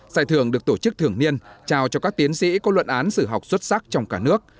giải thưởng được tổ chức thường niên trao cho các tiến sĩ có luận án sử học xuất sắc trong cả nước